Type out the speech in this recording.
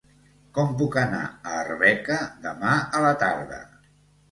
Com puc anar a Arbeca demà a la tarda?